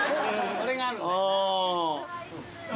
それがあるんだな。